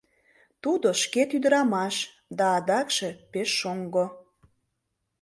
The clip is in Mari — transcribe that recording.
Тудо — шкет ӱдырамаш да адакше пеш шоҥго.